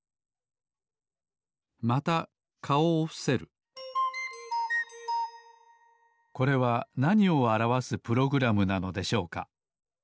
またかおをふせるこれはなにをあらわすプログラムなのでしょうか？